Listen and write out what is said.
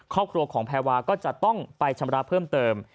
ครอบครัวของแพรวาก็จะต้องไปชำระเพิ่มเติม